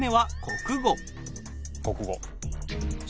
国語。